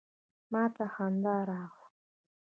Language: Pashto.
ما ته خندا راغله.